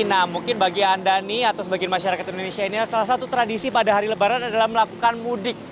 nah mungkin bagi anda nih atau sebagian masyarakat indonesia ini salah satu tradisi pada hari lebaran adalah melakukan mudik